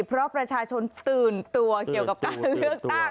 เพราะประชาชนตื่นตัวเกี่ยวกับการเลือกตั้ง